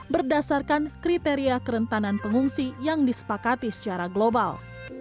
berdasarkan kriteria kerentanan pengungsi yang disepakati secara global